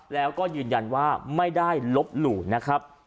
แล้วก็ยืนยันว่าไม่ได้ลบหลู่นะครับ